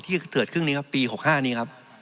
ที่เถิดครึ่งนี้ปี๖๕นี้